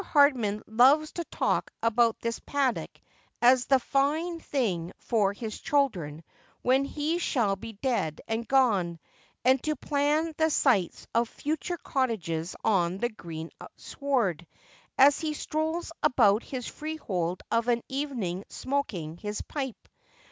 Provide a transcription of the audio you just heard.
Hardman loves to talk about this paddock as a. fine thing for his children when he shall be dead and gone, and to plan the sites of future cottages on the green sward, as he strolls about his freehold of an evening smoking his pipe.